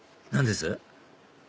何です？